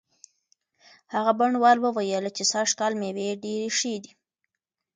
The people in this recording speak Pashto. هغه بڼوال وویل چې سږکال مېوې ډېرې ښې دي.